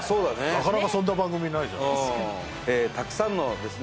なかなかそんな番組ないじゃんたくさんのですね